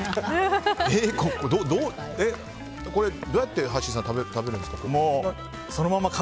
これ、どうやってはっしーさん食べるんですか？